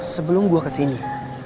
sebelum gue kesini